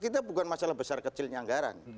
kita bukan masalah besar kecilnya anggaran